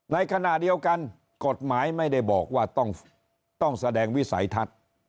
ในขณะเดียวกันกฎหมายไม่ได้บอกว่าต้องแสดงวิสัยทัศน์